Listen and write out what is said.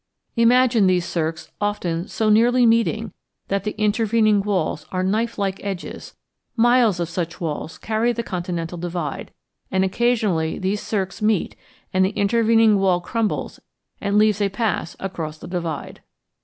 Imagine these cirques often so nearly meeting that the intervening walls are knife like edges; miles of such walls carry the continental divide, and occasionally these cirques meet and the intervening wall crumbles and leaves a pass across the divide.